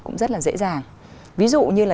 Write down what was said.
cũng rất là dễ dàng ví dụ như là